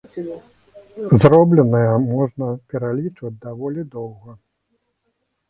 Зробленае можна пералічваць даволі доўга.